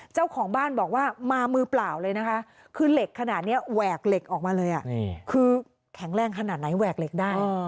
เจ้าของบ้านบอกว่ามามือเปล่าเลยนะคะคือเหล็กขนาดนี้แหวกเหล็กออกมาเลยคือแข็งแรงขนาดไหนแหวกเหล็กได้